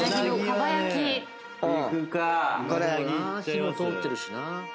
火も通ってるしな。